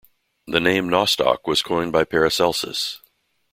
The name "Nostoc" was coined by Paracelsus.